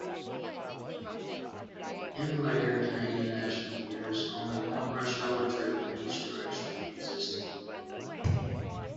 In later Canadian National years, only one rush-hour trip in each direction existed.